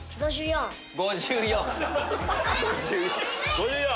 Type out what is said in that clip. ５４。